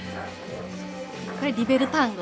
これ『リベルタンゴ』。